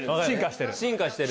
進化してる。